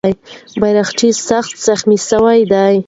بیرغچی سخت زخمي سوی دی.